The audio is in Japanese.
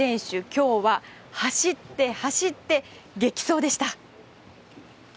今日は走って、走って激走でした。